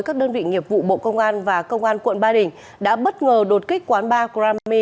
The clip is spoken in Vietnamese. các đơn vị nghiệp vụ bộ công an và công an tp hcm đã bất ngờ đột kích quán ba grammy